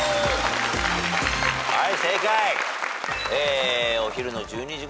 はい。